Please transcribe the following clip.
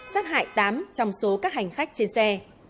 sát hại tám trong số các hành khách trên xe